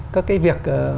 các cái việc